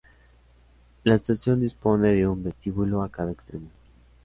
La estación dispone de un vestíbulo a cada extremo.